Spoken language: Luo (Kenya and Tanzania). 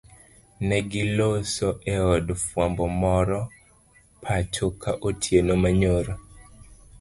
Negiloso eod fwambo moro pachoka otieno manyoro.